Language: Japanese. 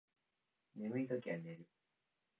眠いときは寝る